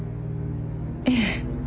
ええ。